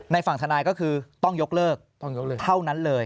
ในฝั่งธนายก็คือต้องยกเลิกเท่านั้นเลย